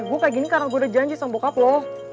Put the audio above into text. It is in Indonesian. gue kayak gini karena gue udah janji sama bokap loh